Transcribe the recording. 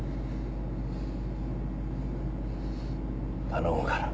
頼むから。